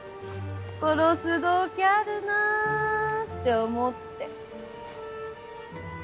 殺す動機あるなぁって思って。